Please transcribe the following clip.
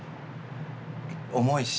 重いし。